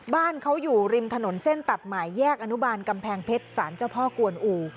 บ้านเขาอยู่ริมถนนเส้นตัดหมายแยกอนุบาลกำแพงเพชรสารเจ้าพ่อกวนอู่